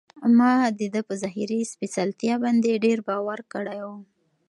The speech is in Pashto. ما د ده په ظاهري سپېڅلتیا باندې ډېر باور کړی و.